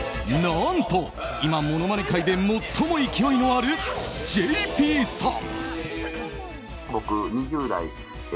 何と、今ものまね界で最も勢いのあるＪＰさん。